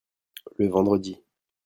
Le vendredi.